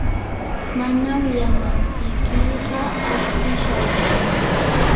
mana wiyamaptiykiqa astishaykim.